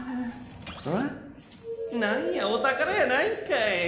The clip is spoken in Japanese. なんやおたからやないんかい。